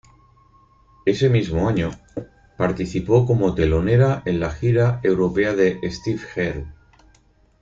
Ese mismo año participó como telonera en la gira europea de Steve Earle.